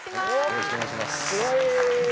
すごい。